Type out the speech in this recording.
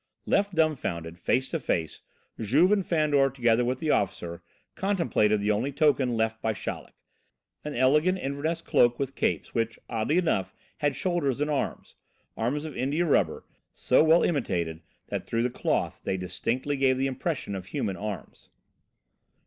Left dumbfounded, face to face, Juve and Fandor, together with the officer, contemplated the only token left them by Chaleck. An elegant Inverness cloak with capes, which, oddly enough, had shoulders and arms arms of India rubber, so well imitated that through the cloth they distinctly gave the impression of human arms.